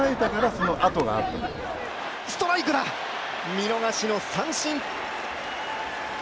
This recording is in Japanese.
見逃しの三振。